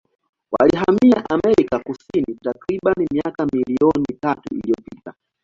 Walihamia Amerika Kusini takribani miaka milioni tatu iliyopita.